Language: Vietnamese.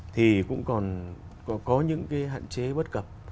thì cũng còn có những cái hạn chế bất cập